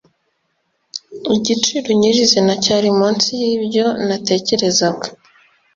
Igiciro nyirizina cyari munsi yibyo natekerezaga.